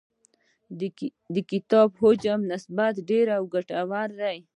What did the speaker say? د کتاب حجم نسبتاً ډېر او ګټور دی.